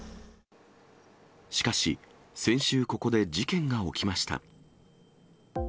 しかし、先週ここで事件が起きました。